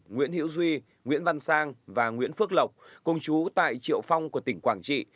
nguyễn hữu duy nguyễn văn sang và nguyễn phước lộc công chú tại triệu phong của tỉnh quảng trị